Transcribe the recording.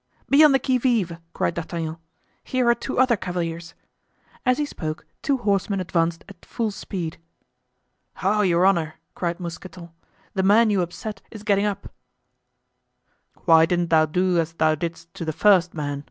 "Be on the qui vive!" cried D'Artagnan. "Here are two other cavaliers." As he spoke, two horsemen advanced at full speed. "Ho! your honor!" cried Mousqueton, "the man you upset is getting up." "Why didn't thou do as thou didst to the first man?"